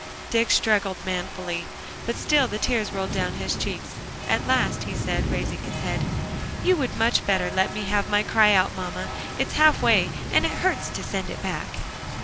Dick struggled manfully, but still the tears rolled down his cheeks. At last he said, raising his head, "You would much better let me have my cry out, mamma; it's half way, and it hurts to send it back."